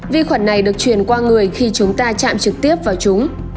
vi khuẩn này được truyền qua người khi chúng ta chạm trực tiếp vào chúng